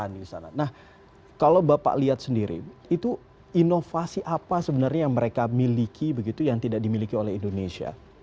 nah kalau bapak lihat sendiri itu inovasi apa sebenarnya yang mereka miliki begitu yang tidak dimiliki oleh indonesia